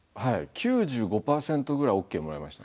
９５％ぐらいオーケーもらいました。